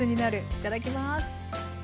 いただきます。